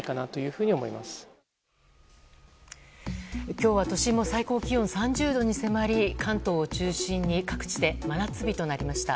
今日は都心も最高気温３０度に迫り関東を中心に各地で真夏日となりました。